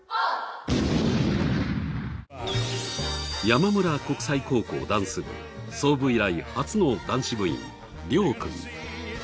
山村国際高校ダンス部創部以来初の男子部員りょうくん。